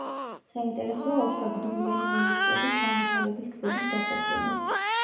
საინტერესოა ორსაგდულიანი მოლუსკების განვითარების გზების დასადგენად.